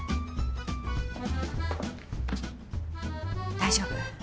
大丈夫。